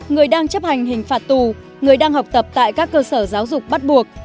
người đang chấp hành hình phạt tù người đang học tập tại các cơ sở giáo dục bắt buộc